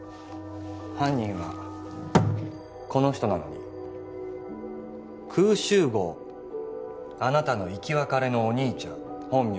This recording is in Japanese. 犯人はこの人なのにクウシュウゴウあなたの生き別れのお兄ちゃん本名